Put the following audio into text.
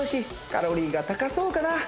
カロリーが高そうかな